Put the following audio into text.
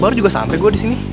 baru juga sampe gua disini